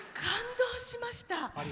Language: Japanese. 感動しました。